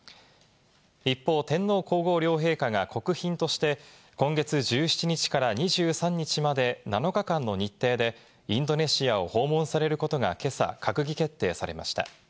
一方、天皇皇后両陛下が国賓として今月１７日から２３日まで７日間の日程でインドネシアを訪問されることが今朝、閣議決定されました。